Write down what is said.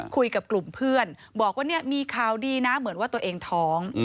คุยกับกลุ่มเพื่อนบอกว่าเนี่ยมีข่าวดีนะเหมือนว่าตัวเองท้อง